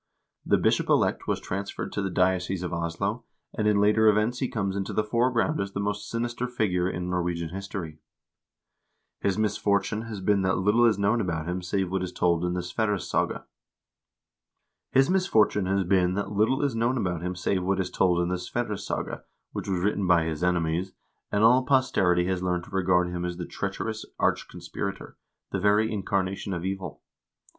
The bishop elect was transferred to the diocese of Oslo, and in later events he comes into the foreground as the most sinister figure in Norwegian history. His misfortune has been that little is known about him save what is told in the " Sver ressaga," which was written by his enemies, and all posterity has learned to regard him as the treacherous arch conspirator, the very incarnation of evil.